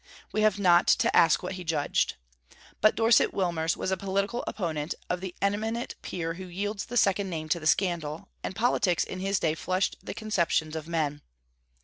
We have not to ask what he judged. But Dorset Wilmers was a political opponent of the eminent Peer who yields the second name to the scandal, and politics in his day flushed the conceptions of men.